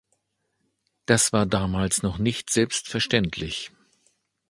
Das war damals noch nicht selbstverständlich.